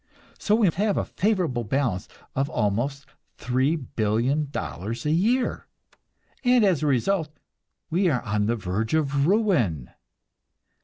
So we have a "favorable balance" of almost $3,000,000,000 a year and as a result we are on the verge of ruin!